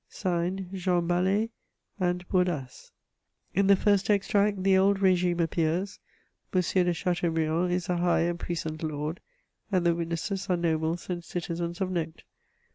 Signed, Jean Basl^, and Bourdasse." In the first extract, the old regime appears : M . de Cha teaubriand is a high and puissant lord, and the witnesses, are nobles and citizens of note.